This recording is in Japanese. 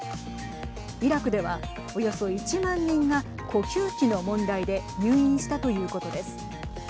イラクでは、およそ１万人が呼吸器の問題で入院したということです。